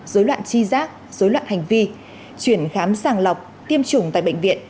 dối loạn chi giác dối loạn hành vi chuyển khám sàng lọc tiêm chủng tại bệnh viện